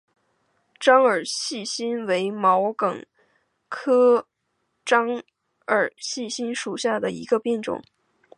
獐耳细辛为毛茛科獐耳细辛属下的一个变种。